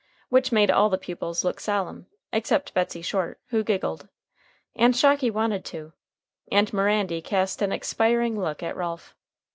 Which made all the pupils look solemn, except Betsey Short, who giggled. And Shocky wanted to. And Mirandy cast an expiring look at Ralph.